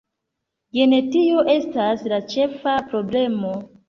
Jen tio estas la ĉefa problemo".